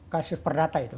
kasus perdata itu